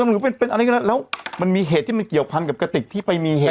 หรือเป็นเป็นอะไรก็ได้แล้วมันมีเหตุที่มันเกี่ยวพันกับกระติกที่ไปมีเหตุ